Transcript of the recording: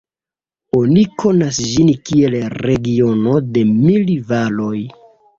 Oni konas ĝin kiel regiono de mil valoj.